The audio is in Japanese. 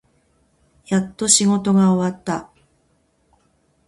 やっと仕事が終わった。